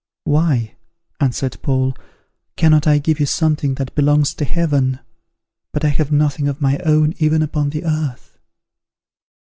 "Why," answered Paul, "cannot I give you something that belongs to Heaven? but I have nothing of my own even upon the earth."